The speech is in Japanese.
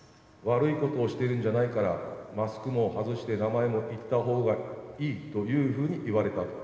悪いことをしているんじゃないから、マスクも外して名前も言ったほうがいいというふうに言われたと。